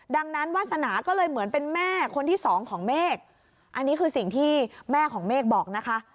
ดังนั้นวาสนาก็เลยเหมือนเป็นแม่คนที่สองของเมฆอันนี้คือสิ่งที่แม่ของเมฆบอกนะคะ